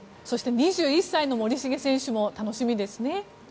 そして２１歳の森重選手も楽しみですね。